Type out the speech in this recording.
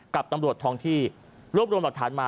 กับตำรวจทองที่รวบรวมหลักฐานมา